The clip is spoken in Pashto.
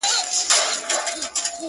زه هوسۍ له لوړو څوکو پرزومه!.